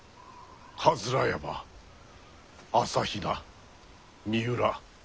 山朝比奈三浦